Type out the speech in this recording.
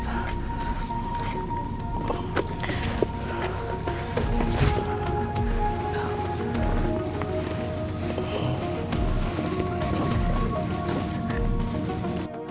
baik pak kak